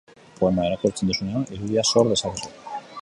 Poema irakurtzen duzunean, irudia sor dezakezu.